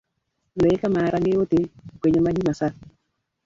Loweka maharage yote kwemye maji masafi